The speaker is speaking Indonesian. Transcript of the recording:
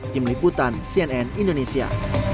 kim liputan cnn indonesia